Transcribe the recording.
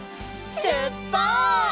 しゅっぱつ！